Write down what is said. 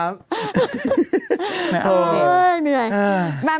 มันเหมือนอ่ะ